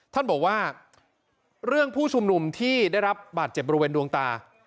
ท่านบอกว่าเรื่องผู้ชุมนุมที่ได้รับบาดเจ็บบริเวณดวงตา